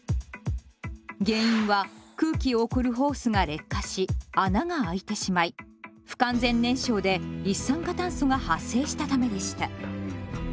原因は空気を送るホースが劣化し穴が開いてしまい不完全燃焼で一酸化炭素が発生したためでした。